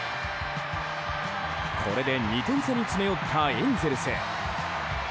これで２点差に詰め寄ったエンゼルス。